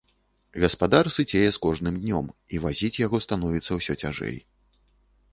Гаспадар сыцее з кожным днём, і вазіць яго становіцца ўсё цяжэй.